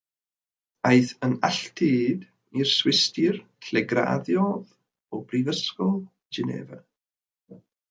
Aeth yn alltud i'r Swistir, lle graddiodd o Brifysgol Genefa.